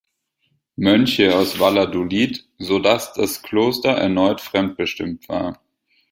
Mönche aus Valladolid, so dass das Kloster erneut fremdbestimmt war.